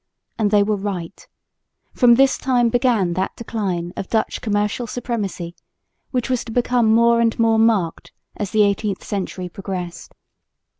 And they were right; from this time began that decline of Dutch commercial supremacy which was to become more and more marked as the 18th century progressed.